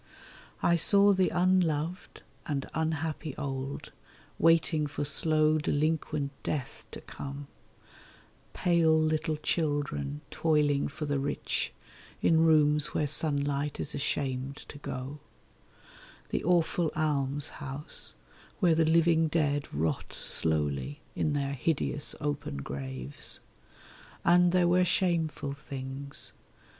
I saw the unloved and unhappy old, waiting for slow delinquent death to come; Pale little children toiling for the rich, in rooms where sunlight is ashamed to go; The awful almshouse, where the living dead rot slowly in their hideous open graves. And there were shameful things.